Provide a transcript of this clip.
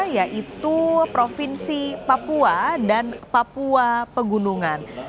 yaitu provinsi papua dan papua pegunungan